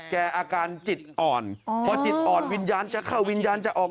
อาการจิตอ่อนพอจิตอ่อนวิญญาณจะเข้าวิญญาณจะออก